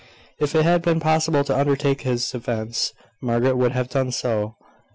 If it had been possible to undertake his defence, Margaret would have done so.